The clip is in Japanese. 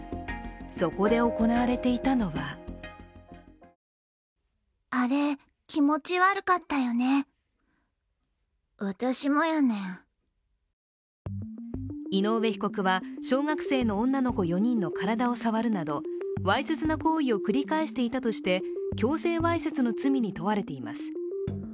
そこで行われていたのは井上被告は小学生の女の子４人の体を触るなどわいせつな行為を繰り返していたとして強制わいせつの罪に問われています。